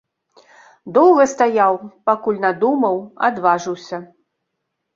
Доўга стаяў, пакуль надумаў, адважыўся.